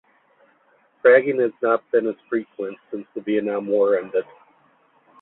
Fragging has not been as frequent since the Vietnam War ended.